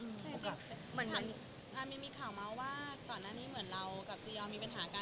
มีข่าวมาว่าก่อนหน้านี้เหมือนเรากับจียอมมีปัญหาการ